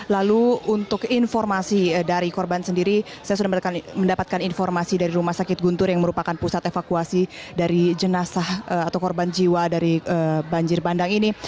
lalu untuk informasi dari korban sendiri saya sudah mendapatkan informasi dari rumah sakit guntur yang merupakan pusat evakuasi dari jenazah atau korban jiwa dari banjir bandang ini